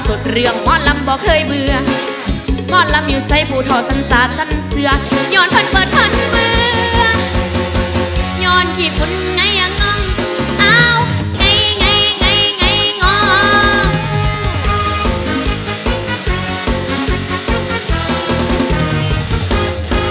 ไม่ยอมมายกออกความโสขทิ้งความโสขทิ้งความโสข